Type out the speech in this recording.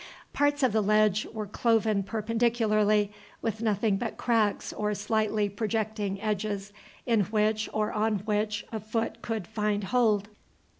Parts of the ledge were cloven perpendicularly, with nothing but cracks or slightly projecting edges in which or on which a foot could find hold.